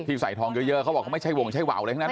ที่ใส่ทองเยอะเค้าบอกเค้าไม่ใช่วงไม่ใช่วาวอะไรแบบนั้น